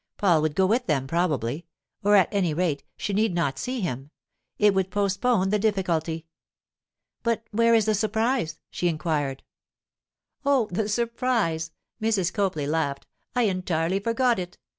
Paul would go with them, probably; or, at any rate, she need not see him; it would postpone the difficulty. 'But where is the surprise?' she inquired. 'Oh, the surprise!' Mrs. Copley laughed. 'I entirely forgot it.